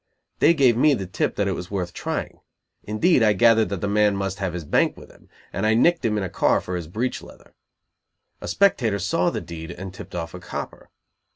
They gave me the tip that it was worth trying. Indeed, I gathered that the man must have his bank with him, and I nicked him in a car for his breech leather. A spectator saw the deed and tipped off a copper.